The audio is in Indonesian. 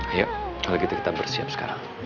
ayo kita bersiap sekarang